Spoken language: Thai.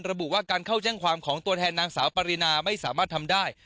ระบุว่าการเข้าแจ้งความของตัวแทนนางสาวปรินาไม่สามารถทำได้